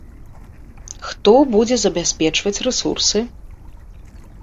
Хто будзе забяспечваць рэсурсы?